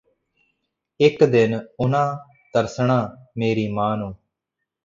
ਇੱਕ ਦਿਨ ਉਨ੍ਹਾਂ ਤਰਸਣਾ ਮੇਰੀ ਮਾਂ ਨੂੰ